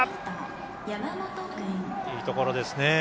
いいところですね。